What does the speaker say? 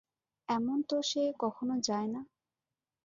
এমন তো সে কখনো যায় না।